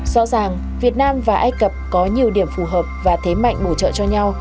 rõ ràng việt nam và ai cập có nhiều điểm phù hợp và thế mạnh bổ trợ cho nhau